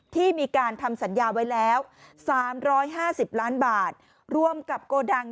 ที่มีการทำสัญญาไว้แล้ว๓๕๐ล้านบาทรวมกับโกดัง